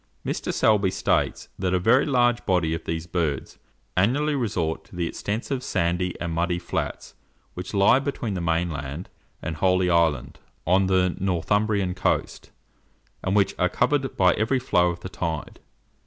Mr. Selby states that a very large body of these birds annually resort to the extensive sandy and muddy flats which lie between the mainland and Holy Island, on the Northumbrian coast, and which are covered by every flow of the tide.